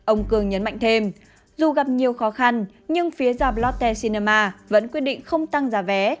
ông cương nhấn mạnh thêm dù gặp nhiều khó khăn nhưng phía dọc lotte cinema vẫn quyết định không tăng giá vé